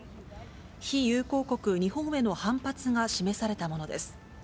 非友好国、日本への反発が示されたものです。